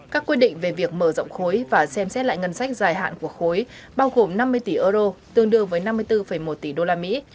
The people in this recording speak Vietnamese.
các quy định về việc mở rộng khối và xem xét lại ngân sách dài hạn của khối bao gồm năm mươi tỷ euro tương đương với năm mươi bốn một tỷ đô la mỹ